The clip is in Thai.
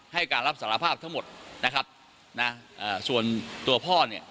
ให้การรับสารภาพทั้งหมดนะครับนะเอ่อส่วนตัวพ่อเนี่ย